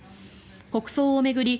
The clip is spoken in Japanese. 国葬を巡り